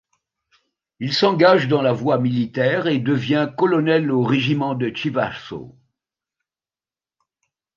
Il s'engage dans la voie militaire et devient colonel au régiment de Chivasso.